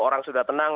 orang sudah tenang